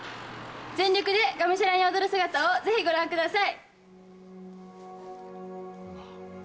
全力でがむしゃらに踊る姿をぜひご覧ください。